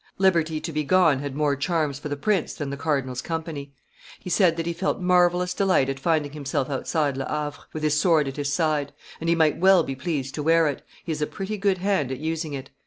Liberty to be gone had more charms for the prince than the cardinal's company. He said that he felt marvellous delight at finding himself outside Le Havre, with his sword at his side; and he might well be pleased to wear it; he is a pretty good hand at using it.